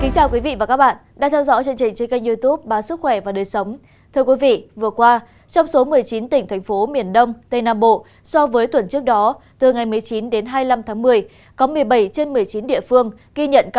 cảm ơn các bạn đã theo dõi và ủng hộ cho bản tin